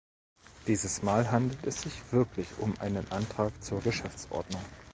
Dieses Mal handelt es sich wirklich um einen Antrag zur Geschäftsordnung.